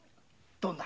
どんな話？